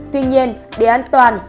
tuy nhiên để an toàn